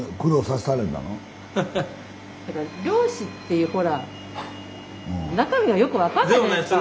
漁師っていうほら中身はよく分かんないじゃないですか。